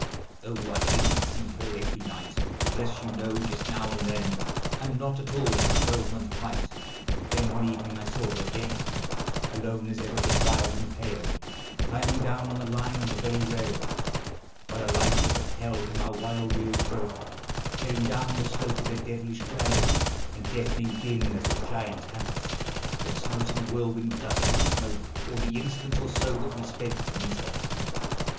Oh, I didn't see her every night: Bless you! no; just now and then, And not at all for a twelvemonth quite. Then, one evening, I saw her again, Alone, as ever but wild and pale Climbing down on the line, on the very rail, While a light as of hell from our wild wheels broke, Tearing down the slope with their devilish clamors And deafening din, as of giant hammers That smote in a whirlwind of dust and smoke All the instant or so that we sped to meet her.